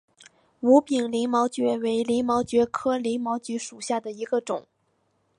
无柄鳞毛蕨为鳞毛蕨科鳞毛蕨属下的一个种。